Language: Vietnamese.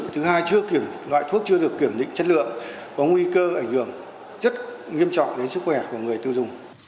thứ hai chưa kiểm loại thuốc chưa được kiểm định chất lượng có nguy cơ ảnh hưởng rất nghiêm trọng đến sức khỏe của người tiêu dùng